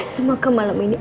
semoga malam ini